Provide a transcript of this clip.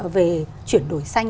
về chuyển đổi xanh